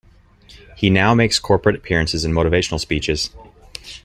He now makes corporate appearances and motivational speeches.